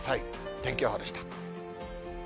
天気予報でした。